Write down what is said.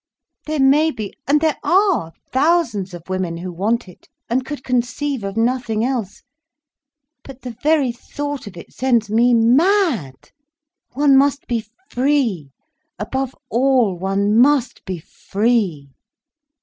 There may be, and there are, thousands of women who want it, and could conceive of nothing else. But the very thought of it sends me mad. One must be free, above all, one must be free.